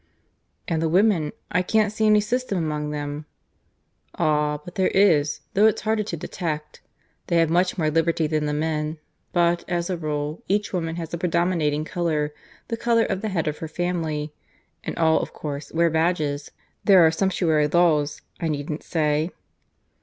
"And the women? I can't see any system among them." "Ah! but there is, though it's harder to detect. They have much more liberty than the men; but, as a rule, each woman has a predominating colour, the colour of the head of her family, and all, of course, wear badges. There are sumptuary laws, I needn't say."